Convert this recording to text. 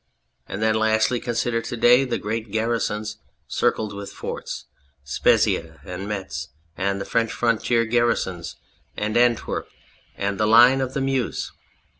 And then, lastly, consider to day the great garrisons circled with forts : Spezia and Metz, and the French frontier garrisons, and Antwerp and the line of the Meuse.